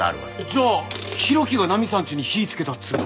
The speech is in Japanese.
じゃあ浩喜がナミさんちに火つけたっつうの？